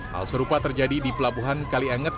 hal serupa terjadi di pelabuhan kalianget